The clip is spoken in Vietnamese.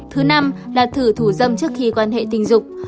thứ năm là thử thủ dâm trước khi quan hệ tình dục